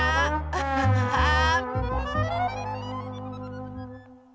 アッハハハー！